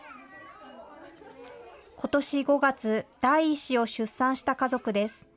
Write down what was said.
ことし５月、第１子を出産した家族です。